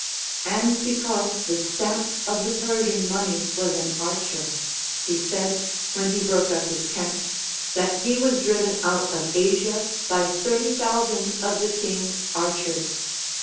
And because the stamp of the Persian money was an archer, he said, when he broke up his camp, that he was driven out of Asia by thirty thousand of the King's archers.